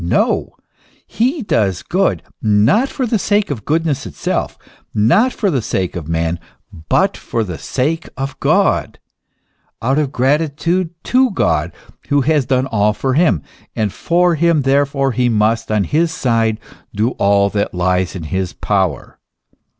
No ! he does good not for the sake of goodness itself, not for the sake of man, but for the sake of God ; out of gratitude to God, who has done all for him, and for whom therefore he must on his side do all that lies in his power.